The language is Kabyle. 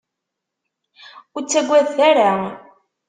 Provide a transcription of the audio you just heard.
Ur ttagadet ara!